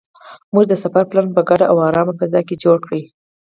موږ د سفر پلان په ګډه او ارامه فضا کې جوړ کړ.